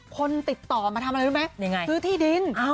คนติดต่อมาทำอะไรรู้ไหมซื้อที่ดิน